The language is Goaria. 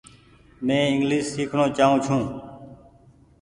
مين انگليش سيکڻو چآئو ڇون ۔